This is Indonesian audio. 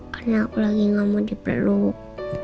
karena aku lagi nggak mau dipeluk